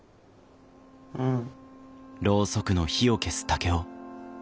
うん。